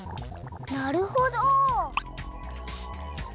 なるほど！